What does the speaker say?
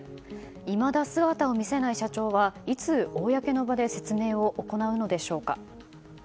いまだ姿を見せない社長はいつ公の場で説明を行うのでしょうか。